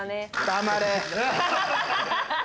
黙れ。